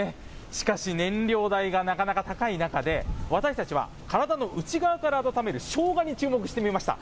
しかし燃料代がなかなか高い中で私たちは体の内側から温めるしょうがに注目してみました。